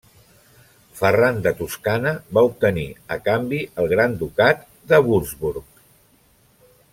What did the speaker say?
Ferran de Toscana va obtenir a canvi el Gran Ducat de Würzburg.